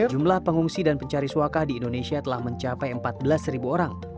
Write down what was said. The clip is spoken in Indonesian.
jumlah pengungsi dan pencari suaka di indonesia telah mencapai empat belas orang